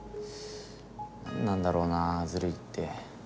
何なんだろうなずるいって。